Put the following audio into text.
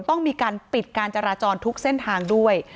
ต้องมีการปิดการจราจรทุกเส้นทางด้วย